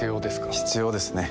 必要ですね